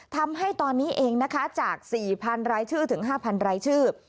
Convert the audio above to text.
ทำให้ตอนนี้เองนะคะจาก๔๐๐๐รายชื่อถึง๕๐๐รายชื่อ